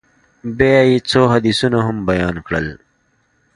بيا يې څو حديثونه هم بيان کړل.